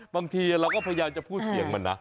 บางทีเราก็พยายามจะพูดเสียงมันนะ